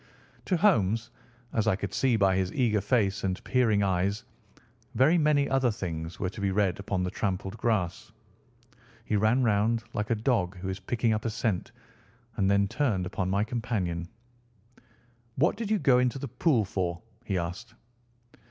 To Holmes, as I could see by his eager face and peering eyes, very many other things were to be read upon the trampled grass. He ran round, like a dog who is picking up a scent, and then turned upon my companion. "What did you go into the pool for?" he asked.